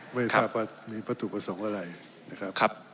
ไม่ทราบว่ามีวัตถุประสงค์อะไรนะครับ